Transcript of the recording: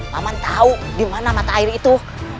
paman tahu di mana mata air itu